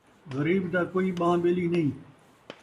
غریب دا کئی ٻان٘ھ ٻیلی نئیں